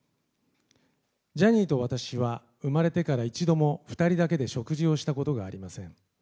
ジャニーと私は生まれてから一度も２人だけで食事をしたことがありません。